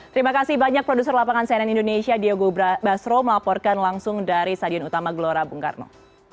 terima kasih banyak produser lapangan cnn indonesia diego basro melaporkan langsung dari stadion utama gelora bung karno